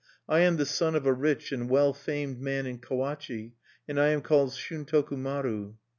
I am the son of a rich and well famed man in Kawachi, and I am called Shuntoku maru."